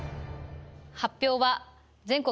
発表は全国